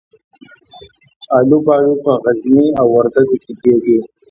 الوبالو په غزني او وردګو کې کیږي.